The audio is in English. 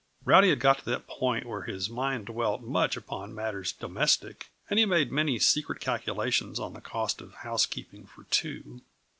Rowdy had got to that point where his mind dwelt much upon matters domestic, and he made many secret calculations on the cost of housekeeping for two.